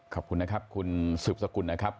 ขอบคุณนะครับคุณสืบสกุลนะครับ